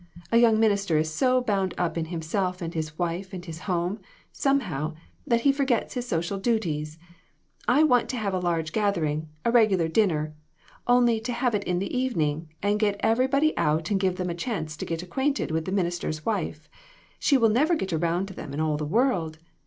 A young minister is so bound up in himself and his wife and his home, somehow, that he forgets his social duties. I want to have a large gathering a regular din ner only have it in the evening, and get every body out and give them a chance to get acquaint ed with the minister's wife ; she will never get around to them in all the world.